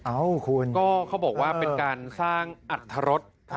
คุณก็เขาบอกว่าเป็นการสร้างอัตรรส